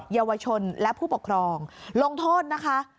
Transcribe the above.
เยาวชนและผู้ปกครองลงโทษนะคะ